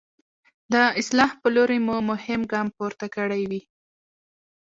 د اصلاح په لوري مو مهم ګام پورته کړی وي.